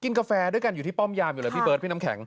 กาแฟด้วยกันอยู่ที่ป้อมยามอยู่เลยพี่เบิร์ดพี่น้ำแข็ง